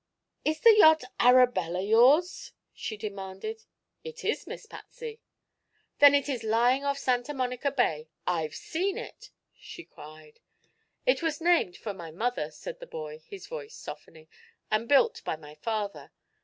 "Is the yacht Arabella yours?" she demanded. "It is, Miss Patsy." "Then it is lying off Santa Monica Bay. I've seen it!" she cried. "It was named for my mother," said the boy, his voice softening, "and built by my father.